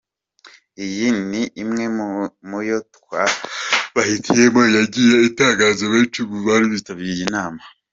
Iyi ni imwe muyo twabahitiyemo yagiye itangaza benshi mu bari bitabiriye iyi nama.